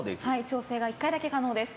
調整が１回だけ可能です。